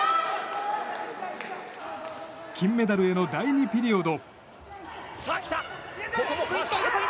金メダルへの第２ピリオド。